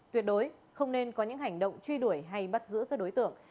tuyệt đối không nên có những hành động truy đuổi hay bắt giữ các đối tượng